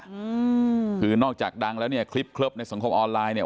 อืมคือนอกจากดังแล้วเนี่ยคลิปเคลิบในสังคมออนไลน์เนี่ย